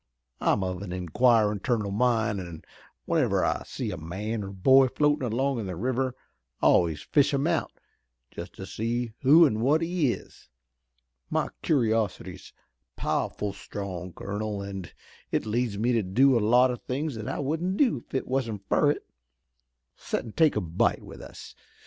I'm of an inquirin' turn of mind, an' whenever I see a man or boy floatin' along in the river I always fish him out, just to see who an' what he is. My curiosity is pow'ful strong, colonel, an' it leads me to do a lot o' things that I wouldn't do if it wasn't fur it. Set an' take a bite with us.